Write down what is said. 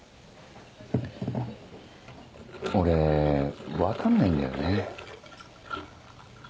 俺分かんないんだよね。